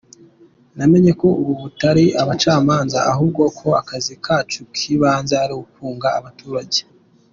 Namenye ko ubu tutari abacamanza, ahubwo ko akazi kacu k’ibanze ari ukunga abaturage.